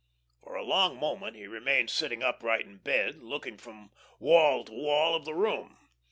For a long moment he remained sitting upright in bed, looking from wall to wall of the room.